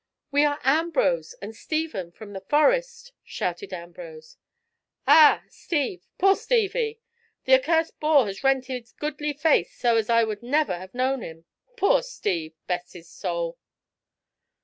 "We are Ambrose and Stephen from the Forest," shouted Ambrose. "Ah! Steve! poor Stevie! The accursed boar has rent his goodly face so as I would never have known him. Poor Steve! Best his soul!"